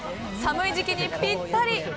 寒い時期にぴったり。